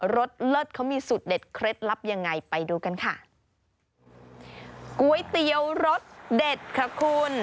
สเลิศเขามีสูตรเด็ดเคล็ดลับยังไงไปดูกันค่ะก๋วยเตี๋ยวรสเด็ดค่ะคุณ